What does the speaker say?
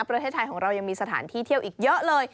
ประเทศไทยของเรายังมีสถานที่เที่ยวอีกเยอะเลย